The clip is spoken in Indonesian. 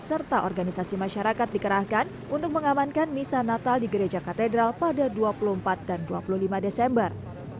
serta organisasi masyarakat dikerahkan untuk mengamankan misa natal di gereja katedral pada dua puluh empat dan dua puluh lima desember